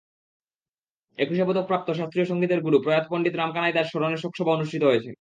একুশে পদকপ্রাপ্ত শাস্ত্রীয় সংগীতের গুরু প্রয়াত পণ্ডিত রামকানাই দাশ স্মরণে শোকসভা অনুষ্ঠিত হয়েছে।